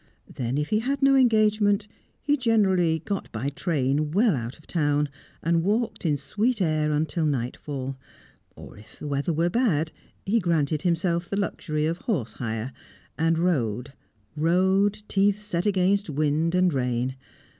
Then, if he had no engagement, he generally got by train well out of town, and walked in sweet air until nightfall; or, if weather were bad, he granted himself the luxury of horse hire, and rode rode, teeth set against wind and rain.